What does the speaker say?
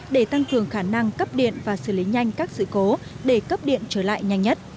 để tăng cường khả năng cấp điện và xử lý nhanh các sự cố để cấp điện trở lại nhanh nhất